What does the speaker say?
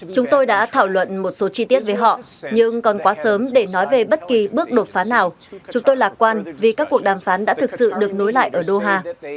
chúng tôi đã thảo luận một số chi tiết về họ nhưng còn quá sớm để nói về bất kỳ bước đột phá nào chúng tôi lạc quan vì các cuộc đàm phán đã thực sự được nối lại ở doha